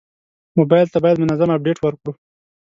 موبایل ته باید منظم اپډیټ ورکړو.